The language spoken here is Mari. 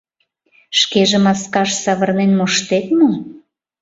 — Шкеже маскаш савырнен моштет мо?